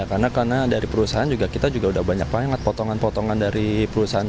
karena dari perusahaan kita juga udah banyak banget potongan potongan dari perusahaan